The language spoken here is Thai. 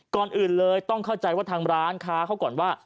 ก่อนอื่นเลยต้องเข้าใจว่าทางร้านค้าเขาก่อนว่า